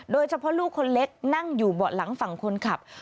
ลูกคนเล็กนั่งอยู่เบาะหลังฝั่งคนขับ